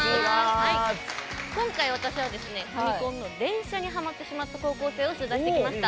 今回、私はファミコンの連射にハマってしまった高校生を取材してきました！